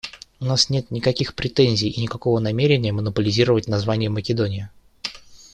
У нас нет никаких претензий и никакого намерения монополизировать название Македония.